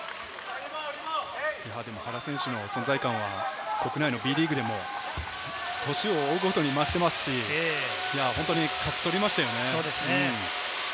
原選手の存在感は国内のＢリーグでも、年を追うごとに増していますし、本当に勝ち取りましたよね。